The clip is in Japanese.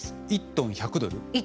１トン１００ドル。